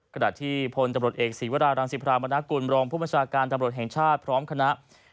ขณะที่พลตำรวจเอกศีวรารังสิพรามนากุลบรองผู้บัญชาการตำรวจแห่งชาติพร้อมคณะ